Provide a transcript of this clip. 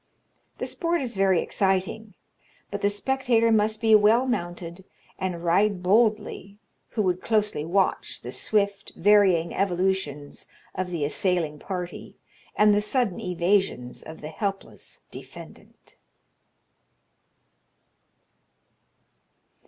The sport is very exciting; but the spectator must be well mounted, and ride boldly, who would closely watch the swift, varying evolutions of the assailing party, and the sudden evasions of the helpless defendant."